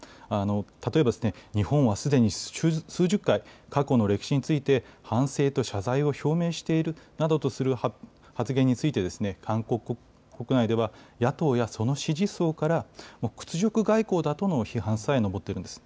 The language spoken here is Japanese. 例えば日本はすでに数十回、過去の歴史について反省と謝罪を表明しているなどとする発言について、韓国国内では、野党やその支持層から、屈辱外交だとの批判さえ上っているんです。